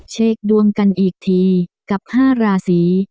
เช็คดวงกันอีกทีกับ๕ราศี